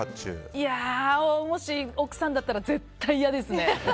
もし奥さんだったら絶対、嫌ですね。